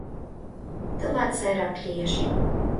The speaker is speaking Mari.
Тылат сайрак лиеш.